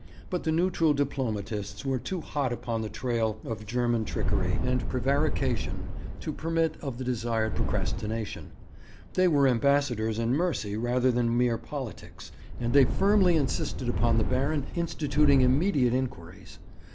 But the neutral diplomatists were too hot upon the trail of German trickery and prevarication to permit of the desired procrastination; they were ambassadors in mercy rather than mere politics, and they firmly insisted upon the Baron instituting immediate inquiries.